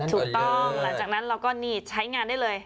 หลังจากนั้นเราก็นีดใช้งานได้เลย